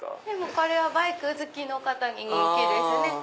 これはバイク好きの方に人気ですね。